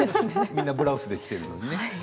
みんなブラウスで来ているのにね。